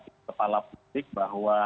di kepala publik bahwa